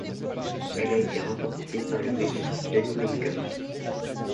Elle a été remportée par le russe Denis Menchov.